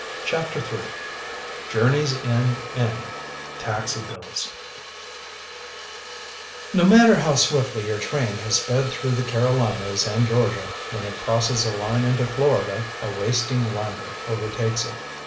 CHAPTER III JOURNEYS END IN TAXI BILLS No matter how swiftly your train has sped through the Carolinas and Georgia, when it crosses the line into Florida a wasting languor overtakes it.